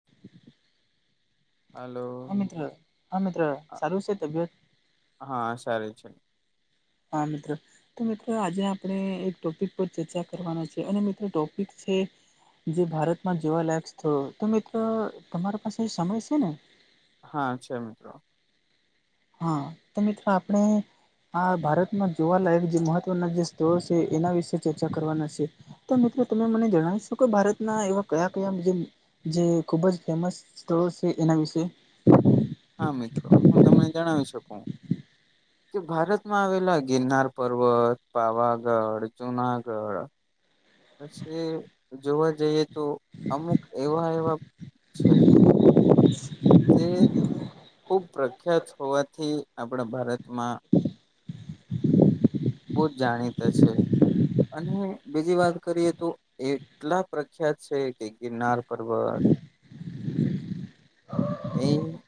[inaudible] Hello હા મિત્ર હા મિત્ર સારું છે તબિયત હા સરે છે હા મિત્રો તો મિત્રો આજે આપણે એક ટોપિક પર ચર્ચા કરવાના છે અને મિત્રો ટોપિક છે જે ભારતમાં જોવા લાયક્સ હતો તો મિત્રો તમારા પાસે સમય છે ને હા છે મિત્રો હા તો મિત્રો આપણે આ ભારતમાં જોવાલાયક જે મહત્વના જે સ્થળો છે એના વિશે ચર્ચા કરવાના છે તો મિત્રો તમે મને જણાવ શકો ભારતના એવા કયા કયા જે જે ખુબ જ ફેમસ સ્ટોર છે એના વિશે હા મિત્રો હું તમને જણાવી શકું કે ભારતમાં આવેલા ગિરનાર પર્વત પાવાગઢ જુનાગઢ [inaudible] પછી જોવા જઈએ તો અમુક એવા એવા છે જે ખૂબ પ્રખ્યાત હોવાથી આપણા ભારતમાં બહુ જ જાણીતા છે અને બીજી વાત કરીએ તો એ એટલા પ્રખ્યાત છે કે ગિરનાર પર્વત એ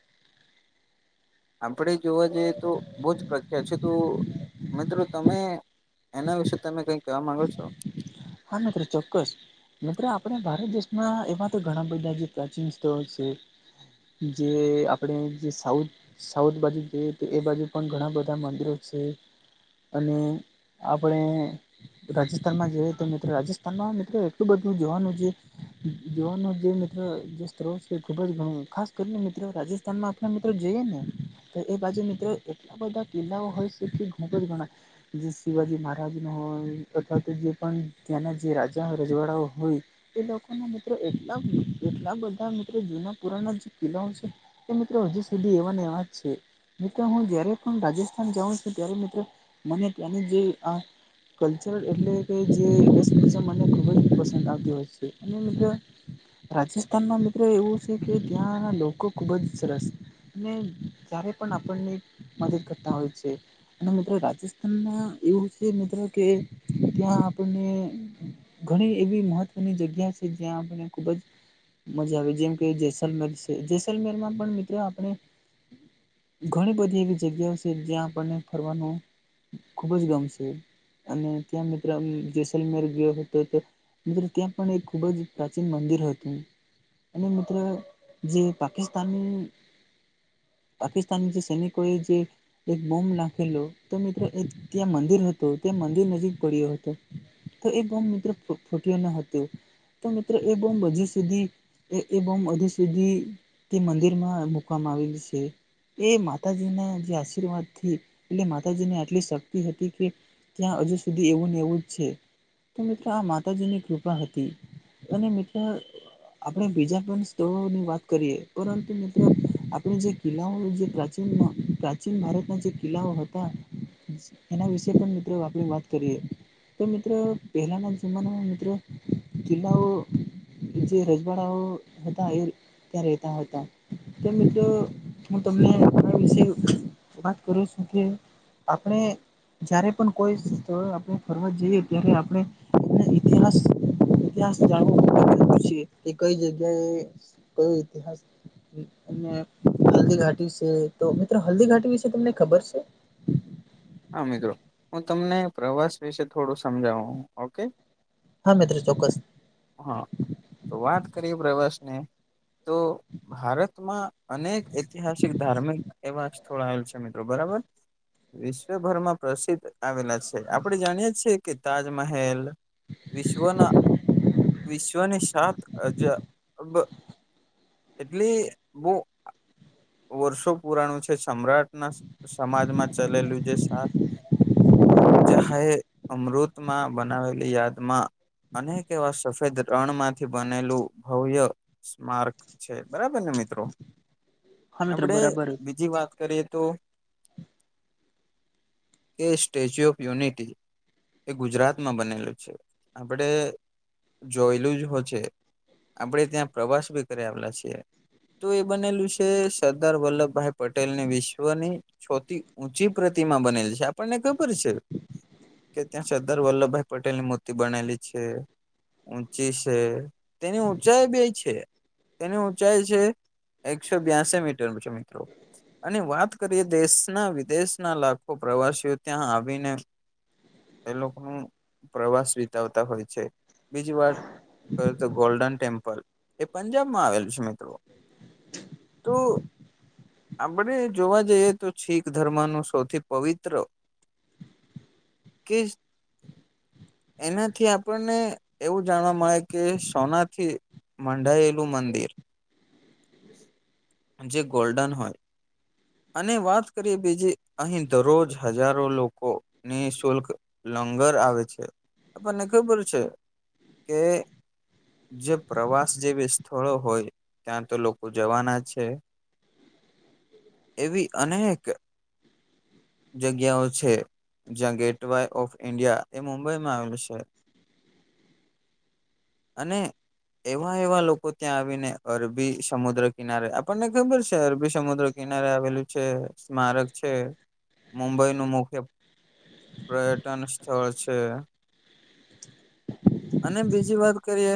આપણેે જોવા જઈએ તો બહુ જ પ્રખ્યાત છે તો મિત્રો તમે એના વિશે તમે કઈ કહેવા માંગો છો હા મિત્રો ચોક્કસ મિત્ર આપણા ભારત દેશમાં એવા તો ઘણા બધા જે પ્રાચીન સ્થળો છે જે આપડે જે સાઉથ સાઉથ બાજુ જઈએ તો એ બાજુ પણ ઘણા બધા મંદિરો છે અને આપણે રાજસ્થાનમાં જે તો મિત્રો રાજસ્થાનમાં મિત્રો એટલું બધું જોવાનું છે જવાનો જે મિત્ર જે સ્ત્રોત છે ખુબ જ ઘણું ખાસ કરીને મિત્રો રાજેશ ત આપણા મિત્રો જગે ને તો એ બાજુ મિત્રો એટલા બધા કિલ્લાઓ હોય છે કે ઘટ જ ગણાય જે શિવાજી મહારાજ નો હોય અથવા તો જે પણ તેના જે રાજા રજવાડાઓ હોય એ લોકોના મિત્રો એલા એટલા બધા મિત્રો જૂના પુરાના જે કિલ્લાઓ છે એ મિત્રો હજુ સુધી એવાને એવાજ છે મિત્ર હું જયારે પણ રાજસ્થાન જાઉં છું ત્યારે મિત્રો મને ત્યાંની જે કલ્ચરલ એટલે કે જે પસંદ આવતી હોય છે અને મિત્રો રાજસ્થાન ના મિત્રો એવું છે કે ત્યાંના લોકો ખુબ જ સરસ જ્યારે પણ આપણને મદદ કરતા હોય છે અને મિત્ર રાજસ્થાન ના એવું છે મિત્ર કે ત્યાં આપણને ઘણી એવી મહત્વની જગ્યા છે જ્યાં આપને ખુબ જ મજા આવે જેમ કે જેસલમેર છે જેસલમેર માં પણ મિત્રો આપણે ઘણી બધી એવી જગ્યાઓ છે જ્યાં આપણને ફરવાનું ખુબ જ ગમશે અને ત્યાં મિત્રમ જેસલમેર ગયો હતો હતો મિત્ર ત્યાં પણ એક ખૂબ જ પ્રાચીન મંદિર હતું. અને મિત્ર જે પાકિસ્તાનની પાકિસ્તાની જે સ્રેનિકએ જે એક બોમ્બ નાખેલો તો મિત્રો એક ત્યાં મંદિર હત ત્યાં મંદિર નજીક પડ્યો હતો તો એ બોમ્બ મિત્રો ફૂટ્યો ન હતો તો મિત્રો એ બોમ્બ હજુ સુધી એ એ બોમ્બ હજીુ સુધી તે મંદિર માં મુૂકવામાં આવેલ છે એ માતાજીના જે આશીર્વાદથી એટલે માતાજી ની આટલી શક્તિ હતી કે ત્યાં હજુ સુધી એવું ને એવું તો મિત્ર આ માતાજીની કૃપા હતી અને મિત્ર આપડણે બીજા પણ સ્થળની વાત કરીએ પરંતુ મિત્રો આપણે જે કિલ્લાઓ જે પ્રાચીન પ્રાચીન ભારતના જે કિલ્લાઓ હતા એના વિશે પણ મિત્રો આપણે વાત કરીએ તો મિત્રો પહેલાંના જમાનામાં મિત્રો કિલ્લાઓ જે રજવાડાઓ હતા એ ત્યાં રહેતા હતા તો મિત્રો હું તમને આપણા વિશે વાત કરું છું કે આપણે જયારે પણ કોઈ સ્થળ આપણે ફરવા જએ ત્યારે આપણે ઇતિહાસ ઇતિહાસ જાણવ પછી એ કઈ જગ્યાએ કયો ઇતિહાસ અને હલ્દી ઘાટી વિશે તો મિત્રો હલ્દી ઘાટી વિશે તમને ખબર છે હા મિત્રો હું તમને પ્રવાસ વિશે થોડું સમજાવું ઓકે હા મિત્ર ચોક્કસ હા તો વાત કરીએ પ્રવાસને તો ભારતમાં અનેક ઐતિહાસિક ધાર્મિક એવા સ્થળ આવેલ છે મિત્રો બરાબર વિશ્વભરમાં પ્રસિદ્ધ આવેલા છે આપડે જાણીએ છીએ કે તાજમહેલ વિશ્વના વિશ્વને સાત અજબ એટલે બહ વર્ષો પુરાણું છે સમ્રાટના સમાજમાં ચલેલું જે સા જ હાહે અમૃતમાં બનાવેલી યાદમાં અનેક એવા સફેદ રણ માંથી બનેલું ભવ્ય સ્માર્ક છે બરાબર ને મિત્રો હા મિત્રો આપડે બરાબર બીજી વાત કરીએ તો કે સ્ટેચ્યુ ઓફ યુનિટી એ ગુજરાતમાં બનેલું છે આપણે જોયેલું જ હો છે આપણેે ત્યાં પ્રવાસ ભી કરી આવેલા છીએ તો એ બનેલું છે કે સરદાર વલ્લભભાઈ પટેલ ને વિશ્વની છોથી ઊંચી પ્રતિમા બનેલ છે આપણને ખબર છે કે ત્યાં સરદાર વલ્લભભાઈ પટેલ ની મૂર્તિ બનાલી છે ઊંચી છે તેની ઊંચાઈ બે છે તેની ઊંચાઈ છે એકસો બ્યાસી મીટર મિત્રો અને વાત કરીએ દેશના વિદેશના લાખો પ્રવાસીઓ ત્યાં આવીને એ લોકો ન પ્રવાસ વિતાવતા હોય છે બીજી વાત તો ગોલ્ડન ટેમ્પલ એ પંજાબ માં આવેલું છે મિત્રો તો આપણે જોવા જઈએ તો શીખ ધર્મનું સૌથી પવિત્ર કેસ એનાથી આપણને એવું જાણવા મળે કે સોનાથી માંઢાયેલું મંદિર જે ગોલ્ડન હોય અને વાત કરીએ બીજી અહી દરરોજ હજારો લોકો નિશુલ્ક લંગર આવે છે આપણને ખબર છે કે જે પ્રવાસ જેવી સ્થળો હોય ત્યાં તો લોકો ઉજવાના છે એવી અનેક જગ્યાઓ છે. જ્યાં ગેટવાય ઓફ ઇન્ડિયા એ મુંબઈમાં આવેલ છે અને એવા એવા લોકો ત્યાં આવીને અરબી સમુદ્ર કિનારે આપણને ખબર છે અરબી સમુદ્ર કિનારે આવેલું છે સ્મારક છે. મુંબઈનું મુખ્ય પર્યટન સ્થળ છે અને બીજી વાત કરીએ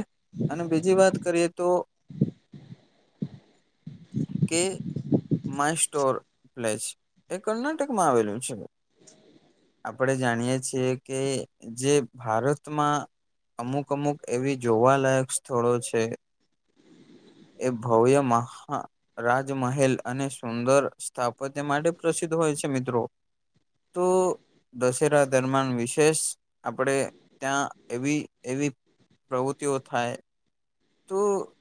અને બીજી વાત કરીએ તો કે માય સ્ટોર પ્લેસ એ કર્ણાટક માં આવેલું છે. આપણે જાણીએ છીએ કે જે ભારતમાં અમુક અમુક એવી જોવાલાયક સ્થળો છે. એ ભવ્ય મહા રાજમહેલ અને સુંદર સ્થાપત્ય માટે પ્રસિદ્ધ હોય છે મિત્રો. તો દશેરા દરમિયાન વિશેષ આપણે ત્યાં એવી એવી પ્રવૃત્તિઓ થાય. તો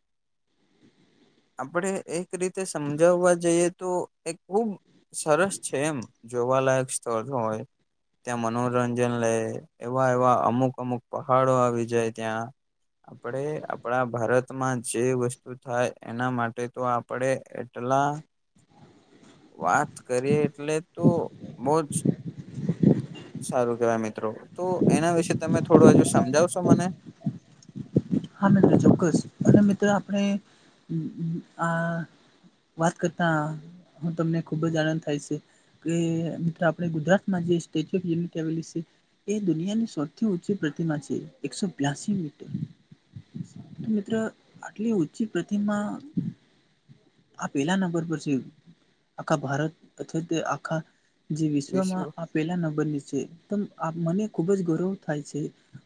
આપણે એક રીતે સમજાવવા જઈએ તો એ ખુબ સરસ છે એમ જોવાલાયક સ્થળ હોય ત્યાં મનોરંજન લે એવા એવા અમુક અમુક પહાડો આવી જાય ત્યાં આપણે આપણા ભારતમાં જે વસ્તુ થાય એના માટે તો આપડે એટલા વાત કરીએ એટલે તો બહું જ સારું કેવાય મિત્રો તો એના વિશે તમે થોડું હજુ સમજાવશો મને હા મિત્રો ચોક્કસ અને મિત્રો આપણે આ વાત કરતા હું તમને ખુબ જ આનંદ થાય છે. કે મિત્રો આપણે ગુજરાતમાં જે સ્ટેચ્યુ ઓફ યુનિટી આવેલી છે. એ દુનિયાની સૌથી ઊંચી પ્રતિમા છે એકસો બ્યાસી મીટર મિત્ર આટલી ઉચી પ્રતિમા આ પેલા નંબર પર છે આખા ભારત અથવા તો આખા જે વિશ વિશ્વમાં આ પેલા ન બન્યું છે મને ખુબ જ ગૌરવ થાય છે.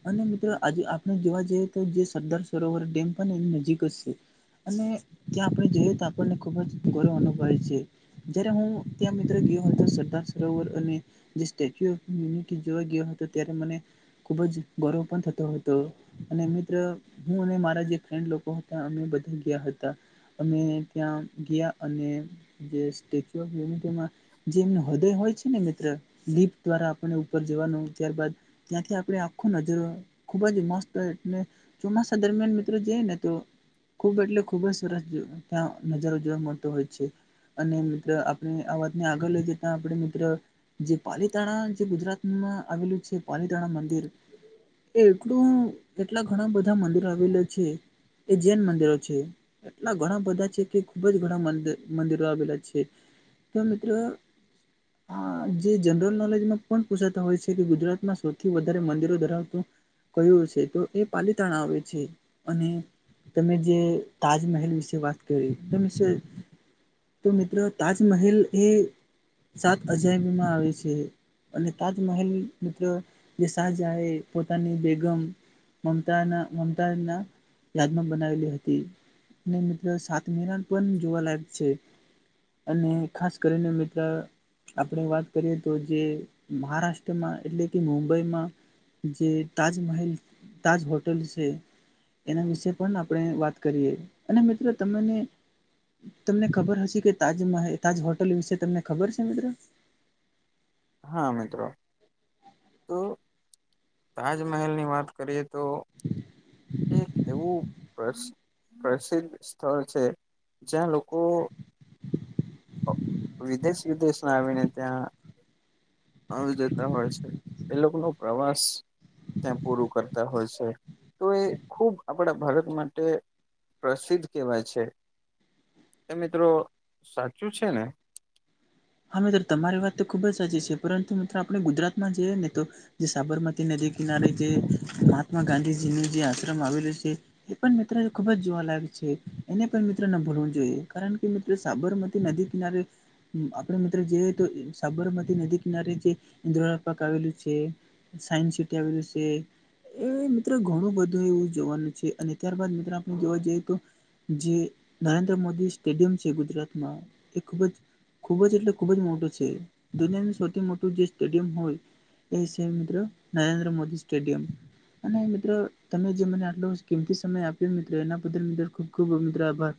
અને મિત્રો આજે આપણે જોવા જઈએ તો જે સરદાર સરોવર ડેમ પણ ને એની નજીક જ છે. અને ત્યાં આપણે જઈએ તો આપણને ખુબ જ ગૌરવ અનુભવે છે. જયારે હું ત્યાં મિત્રો ગયો હતો સરદાર સરોવર અને જે સ્ટેચ્યુ ઓફ યુનિટી જોવા ગયો હતો ત્યારે મને ખૂબ જ ગૌરવ પણ થયો હતો અને મિત્ર હું અને મારા જે ફ્રેન્ડ લોકો હતા અમે બધા ગયા હતા અમે ત્યાં ગયા અને જે સ્ટેચ્યુ ઓફ યુનિટીમાં જે એમનું હૃદય હોય છે ને મિત્ર લિપ દ્વારા આપણે ઉપર જવાનું ત્યારબાદ ત્યાંથી આપણે આખો નજારો ખુબ જ મસ્ત એટલે ચોમાસા દરમિયાન મિત્રો જઈ ને તો ખૂબ એટલે ખુબ જ સરસ જો ત્યાં નજારો જોવા મળતો હોય છે. અને મિત્ર આપણે આ વાતને આગળ લઈ જતાં આપણે મિત્ર જે પાલીતાણા જે ગુજરાતમાં આવેલું છે પાલીતાણા મંદિર એ એટલું એટલા ઘણા બધા મંદિરો આવેલા છે. એ જૈન મંદિરો છે એટલા ઘણા બધા- - કે ખુબ જ ઘણા મંદિરો આવેલા છે તો મિત્રો- - આ જે જનરલ નોલેજમાં પણ પૂછાતા હોય છે કે ગુજરાતમાં સૌથી વધારે મંદિરો ધરાવતું- - કયુ છે તો એ પાલીતાણા આવે છે અને- - તમે જે તાજમહેલ વિશે વાત કરી તમેશે- - તો મિત્રો તાજમહેલ એ સાત અજાયબીમાં આવે છે. અને તાજમહેલ મિત્ર જે શાહજા એ પોતાની બેગમ- - મમતા મમતાના યાદમાં બનાવેલી હતી અને મિત્રો સાત- - [inaudible] પણ જોવાલાયક છે અને ખાસ કરીને મ- - આપણે વાત કરીએ તો જે મહારાષ્ટ્રમાં એટલે કે મુંબઈમાં- - જે તાજમહેલ તાજ હોટલ છે. એના વિશે પણ આપણે વાત કરીએ અને મિત્રો તમને તમને ખબર હશે કે તાજમ તાજ હોટલ વિશે તમને ખબર છે મિત્રો? હા મિત્રો. તો તાજમહેલ ની વાત કરીએ તો એક એવું પ્રશ્ન પ્રસિદ્ધ સ્થળ છે જ્યાં લોકો વિદેશ વિદેશમાં આવીને ત્યાં આવી જતા હોય છે એ લોકો ન પ્રવાસ ત્યાં પૂરું કરતા હોય છે તો એ ખૂબ આપણા ભારત માટે પ્રસિદ્ધ કહેવાય છે એ મિત્રો સાચું છે ને? હા મિત્ર તમારી વાત તો ખુબ જ સાચી છે પરંતુ મિત્રો આપણે ગુજરાતમાં જઈએ ને તો જે સાબરમતી નદી કિનારે જે મહાત્મા ગાંધીજી નું જે આશ્રમ આવેલું છે. એ પણ મિત્રને ખુબ જ જોવાલાયક છે એને પણ મિત્રને ભૂલવું જોઈએ કારણ કે સાબરમતી નદી કિનારે આપ મિત્રો જોઈએ તો સાબરમતી નદી કિનારે જે ઇન્દ્ર પાક આવેલું છે. સાયન્સ સીટી આવેલી છે. એ મિત્રો ઘણું બધું એવું જોવાનું છે અને ત્યારબાદ મિત્રો આપણે જોવા જઈએ તો જે નરેન્દ્ર મોદી સ્ટેડિયમ છે ગુજરાતમાં એ ખૂબ જ ખુબ જ એટલે ખુબ જ મોટું છે દુનિયાનું સૌથી મોટું જે સ્ટેડિયમ હોય એ સે મિત્રો નરેન્દ્ર મોદી સ્ટેડીયમ. અને મિત્રો તમે જે મને આટલો કિંમતી સમય આપ્યો મિત્રો એના બદલ મિત્રો ખુબ ખુબ મિત્રો આભાર.